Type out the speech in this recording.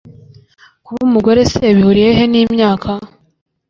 kuba umugore se bihuriye he n’imyaka?